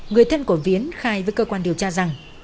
người thân của viến khai với cơ quan điều tra rằng